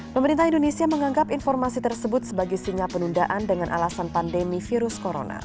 pemerintah indonesia menganggap informasi tersebut sebagai sinyal penundaan dengan alasan pandemi virus corona